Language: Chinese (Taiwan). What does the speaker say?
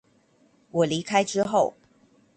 我離開之後